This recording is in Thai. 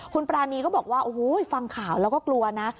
คุณปรานีก็บอกว่าโอ้โหฟังข่าวแล้วก็กลัวนะ